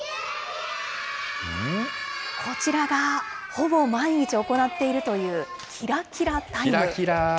こちらが、ほぼ毎日行っているという、キラキラタイム。